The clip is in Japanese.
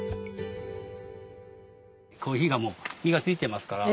コーヒーがもう実がついてますから。